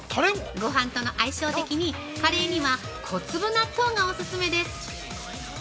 ご飯との相性的にカレーには小粒納豆がオススメです。